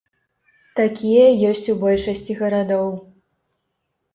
Такія ёсць у большасці гарадоў.